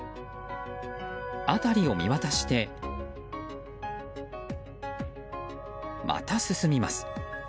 辺りを見渡して、また進みます。